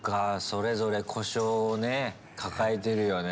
それぞれ故障をね、抱えてるよね。